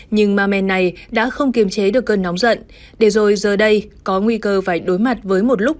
nhưng ma men này đã không kiềm chế được cơn nóng giận để rồi giờ đây có nguy cơ phải đối mặt với một lúc